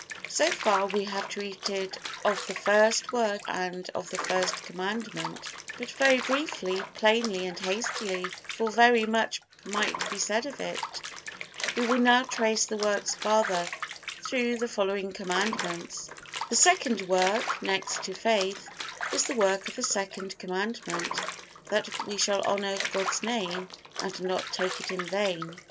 So far we have treated of the first work and of the First Commandment, but very briefly, plainly and hastily, for very much might be said of it. We will now trace the works farther through the following Commandments. The second work, next to faith, is the work of the Second Commandment, that we shall honor God's Name and not take it in vain.